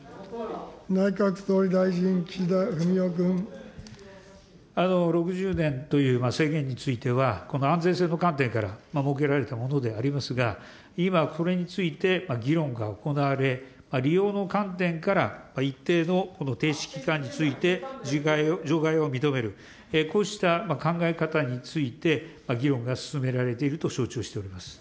内閣総理大臣、６０年という制限については、この安全性の観点から設けられたものでありますが、今、これについて議論が行われ、利用の観点から一定のこの停止期間について、除外を認める、こうした考え方について、議論が進められていると承知をしております。